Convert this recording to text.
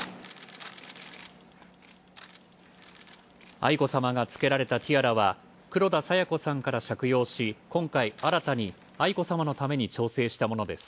愛子さまが着けられたティアラは黒田清子さんから借用し、今回新たに愛子さまのために調整したものです。